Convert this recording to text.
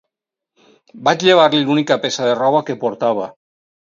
Vaig llevar-li l'única peça de roba que portava.